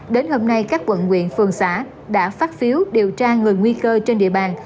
đến hôm nay các quận nguyện phường xã đã phát phiếu điều tra người nguy cơ trên địa bàn